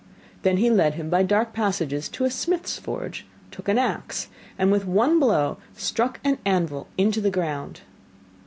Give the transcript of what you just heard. Then he led him by dark passages to a smith's forge, took an axe, and with one blow struck an anvil into the ground.